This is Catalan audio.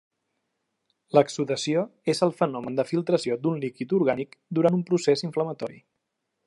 L'exsudació és el fenomen de filtració d'un líquid orgànic durant un procés inflamatori.